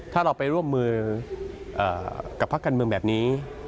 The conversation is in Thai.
ถ้าเราไปร่วมมือกับพักการเมืองแบบนี้